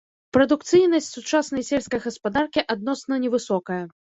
Прадукцыйнасць сучаснай сельскай гаспадаркі адносна невысокая.